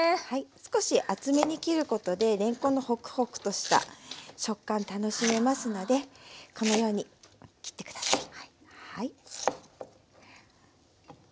少し厚めに切ることでれんこんのホクホクとした食感楽しめますのでこのように切って下さい。